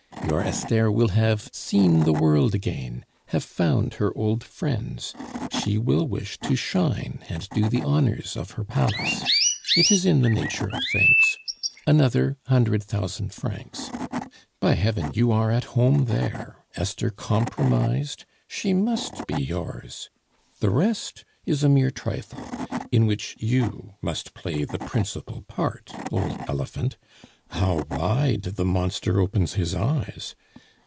Your Esther will have seen the world again, have found her old friends; she will wish to shine and do the honors of her palace it is in the nature of things: Another hundred thousand francs! By Heaven! you are at home there, Esther compromised she must be yours. The rest is a mere trifle, in which you must play the principal part, old elephant. (How wide the monster opens his eyes!)